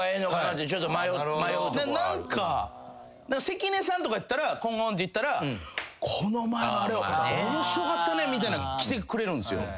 関根さんとかやったらこんこんっていったら「この前のあれ面白かったね」みたいなきてくれるんですよ。